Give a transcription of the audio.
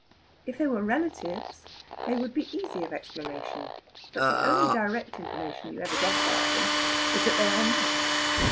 If they were relatives, they would be easy of explanation; but the only direct information you ever get about them is that they are not.